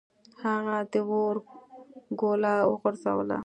هغه د اور ګوله وغورځوله.